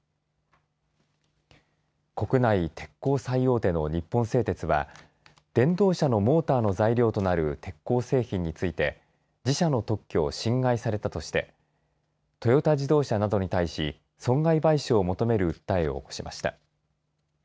国内鉄鋼最大手の日本製鉄は電動車のモーターの材料となる鉄鋼製品について自社の特許を侵害されたとしてトヨタ自動車などに対し損害賠償求める訴えを起こしました。